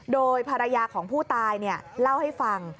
โดยภรรยาของผู้ตายเล่าให้ฟัง